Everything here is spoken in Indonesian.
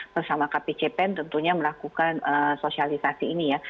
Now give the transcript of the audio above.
bersama kpcpen tentunya melakukan sosialisasi ini ya